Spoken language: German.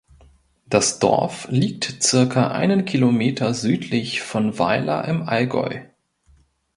Das Dorf liegt circa einen Kilometer südlich von Weiler im Allgäu.